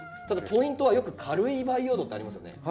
ただポイントはよく軽い培養土ってありますよね。